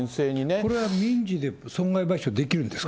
これは民事で損害賠償、できるんですか？